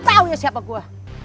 tahu ya siapa gue